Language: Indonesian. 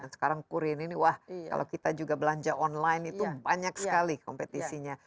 sekarang kurir ini wah kalau kita juga belanja online itu banyak sekali kompetisinya